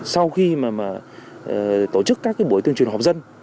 sau khi mà tổ chức các cái buổi tuyên truyền họp dân